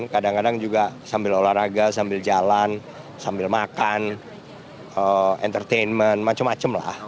kadang kadang juga sambil olahraga sambil jalan sambil makan entertainment macam macam lah